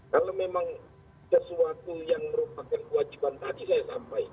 kalau memang sesuatu yang merupakan kewajiban tadi saya sampaikan beramar mahrum nahi munkar